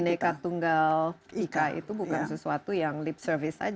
aneka tunggal ika itu bukan sesuatu yang lip service saja